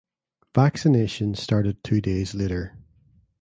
Vaccinations started two days later.